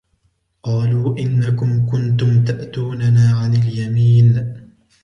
قالوا إنكم كنتم تأتوننا عن اليمين